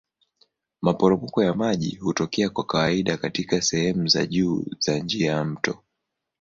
Maporomoko ya maji hutokea kwa kawaida katika sehemu za juu ya njia ya mto.